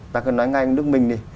ta cứ nói ngay anh đức minh đi